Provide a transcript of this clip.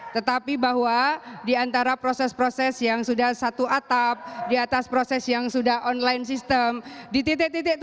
tetapi banyak yang tidak